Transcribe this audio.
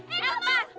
eh eh kamu paksit